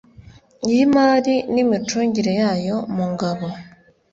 y Imari n imicungire yayo mu Ngabo